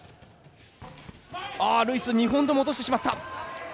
ルイス２本とも落としてしまった！